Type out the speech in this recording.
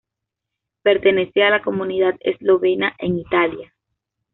Pertenece a la comunidad eslovena en Italia.